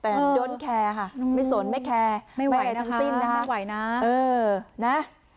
แต่ย้นแคร์ค่ะไม่สนไม่แคร์ไม่ไหวทั้งสิ้นนะฮะเออนะ